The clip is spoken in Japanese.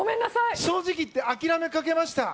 正直言って諦めかけました。